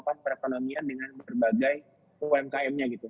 dan juga untuk perekonomian dengan berbagai umkm nya gitu